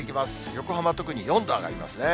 横浜特に４度上がりますね。